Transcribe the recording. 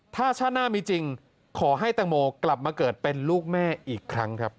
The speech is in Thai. ถ้าชาติหน้ามีจริงขอให้แตงโมกลับมาเกิดเป็นลูกแม่อีกครั้งครับ